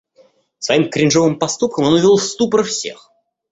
Своим кринжовым поступком он ввёл в ступор всех.